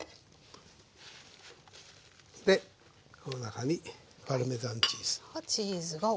でこの中にパルメザンチーズ。